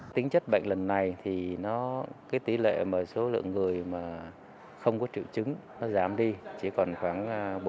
tính chất bệnh lần này thì tỷ lệ số lượng người không có triệu chứng giảm đi chỉ còn khoảng bốn mươi